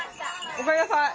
おかえりなさい。